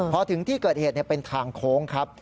พอถึงที่เกิดเหตุเป็นทางโค้งครับ